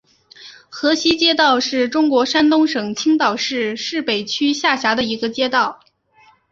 河西街道是中国山东省青岛市市北区下辖的一个街道。